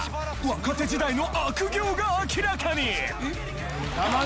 若手時代の悪行が明らかに！